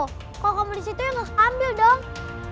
kalau kamu disitu ya harus ambil dong